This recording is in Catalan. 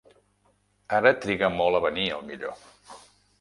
Ara triga molt a venir el millor.